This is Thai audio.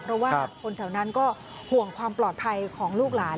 เพราะว่าคนแถวนั้นก็ห่วงความปลอดภัยของลูกหลาน